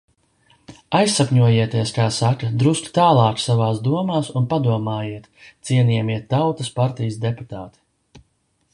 Aizsapņojieties, kā saka, drusku tālāk savās domās un padomājiet, cienījamie Tautas partijas deputāti!